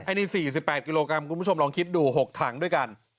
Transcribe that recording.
อันนี้๔๘กิโลกรัมคุณผู้ชมลองคิดดู๖ถังด้วยกัน